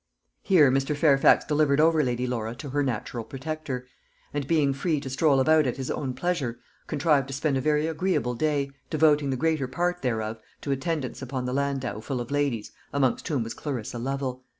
Here Mr. Fairfax delivered over Lady Laura to her natural protector; and being free to stroll about at his own pleasure, contrived to spend a very agreeable day, devoting the greater part thereof to attendance upon the landau full of ladies, amongst whom was Clarissa Lovel.